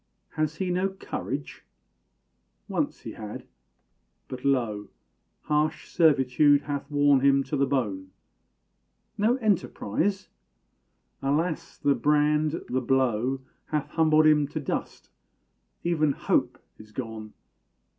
Has he no courage? Once he had but, lo! Harsh servitude hath worn him to the bone. No enterprise? Alas! the brand, the blow, Hath humbled him to dust even hope is gone!